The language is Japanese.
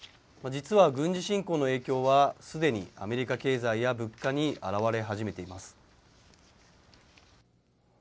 実は軍事侵攻の影響は、すでにアメリカ経済や物価に表れ始めています。